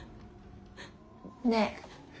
ねえ